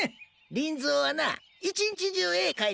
リンゾーはなあ一日中絵描い